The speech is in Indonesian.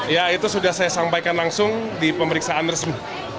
ya itu sudah saya sampaikan langsung di pemeriksaan resmi